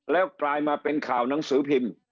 แล้วกลายมาเป็นข่าวหนังสือพิมพ์